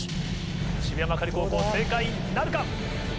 渋谷幕張高校正解なるか？